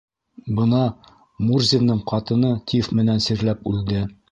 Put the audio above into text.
Бына Мурзиндың ҡатыны тиф менән сирләп үлде.